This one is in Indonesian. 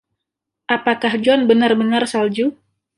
Apakah John benar-benar salju?